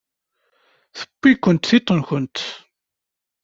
Tewwi-kent tiṭ-nwent.